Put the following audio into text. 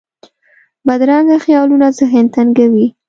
بدرنګه خیالونه ذهن تنګوي